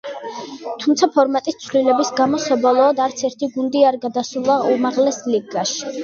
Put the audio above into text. თუმცა, ფორმატის ცვლილების გამო, საბოლოოდ, არც ერთი გუნდი არ გადასულა უმაღლეს ლიგაში.